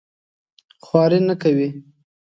خواري نه کوي.